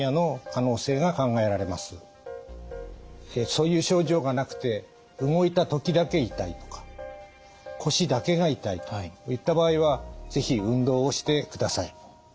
そういう症状がなくて動いた時だけ痛いとか腰だけが痛いといった場合は是非運動をしてください。